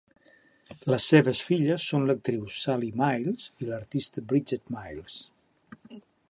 Les seves filles són l'actriu Sally Miles i l'artista Bridget Miles.